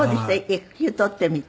育休取ってみて。